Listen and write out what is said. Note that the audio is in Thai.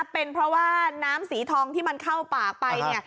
เป็นเพราะว่าน้ำสีทองที่มันเข้าปากไปเนี่ย